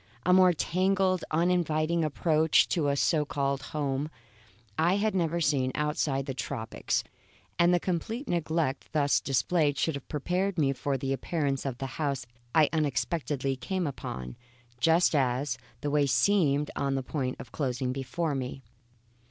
A more tangled, uninviting approach to a so called home, I had never seen outside of the tropics; and the complete neglect thus displayed should have prepared me for the appearance of the house I unexpectedly came upon, just as, the way seemed on the point of closing up before me.